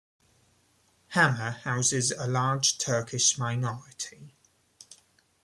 Hamme houses a large Turkish minority.